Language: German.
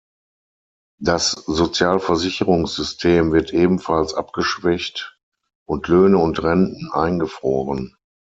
Das Sozialversicherungssystem wird ebenfalls abgeschwächt und Löhne und Renten eingefroren.